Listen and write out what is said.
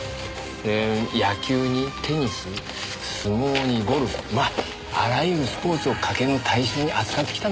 で野球にテニス相撲にゴルフまああらゆるスポーツを賭けの対象に扱ってきたのよ。